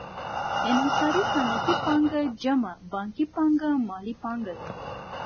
انحصاري صنعتي پانګه جمع بانکي پانګه مالي پانګه ده